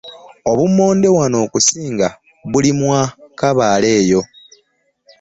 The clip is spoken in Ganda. Obummonde wano okusinga bulimwa Kabaale eyo.